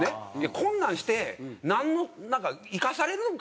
こんなんしてなんのなんか生かされるんか？